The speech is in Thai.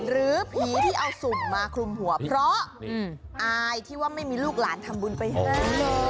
หรือผีที่เอาสุ่มมาคลุมหัวเพราะอายที่ว่าไม่มีลูกหลานทำบุญไปหา